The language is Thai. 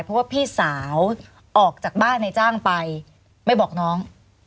เพราะว่าพี่สาวออกจากบ้านในจ้างไปไม่บอกน้อง